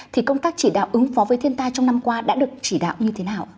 thì công tác chỉ đạo ứng phó với thiên tai trong năm qua đã được chỉ đạo như thế nào